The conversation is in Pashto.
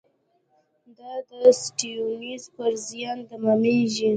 دا د سټیونز پر زیان تمامېږي.